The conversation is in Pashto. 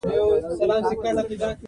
سانتیاګو له یوه ساده شپانه بدلیږي.